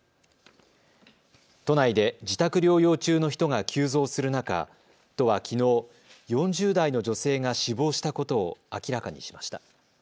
都内で自宅療養中の人が急増する中、都はきのう４０代の女性が死亡したことを明らかにしました。